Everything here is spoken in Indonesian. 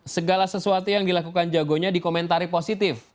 segala sesuatu yang dilakukan jagonya dikomentari positif